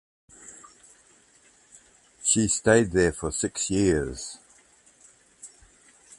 She stayed there for six years.